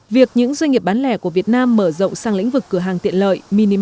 việc những doanh nghiệp bán lẻ của việt nam mở rộng sang lĩnh vực cửa hàng tiện lợi